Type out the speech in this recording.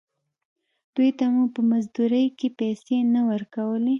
دوې ته مو په مزدورۍ کښې پيسې نه ورکولې.